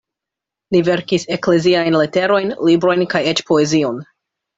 Li verkis ekleziajn leterojn, librojn kaj eĉ poezion.